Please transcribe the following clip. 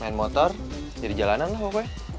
main motor jadi jalanan lah pokoknya